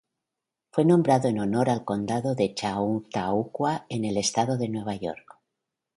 Fue nombrado en honor al condado de Chautauqua en el estado de Nueva York.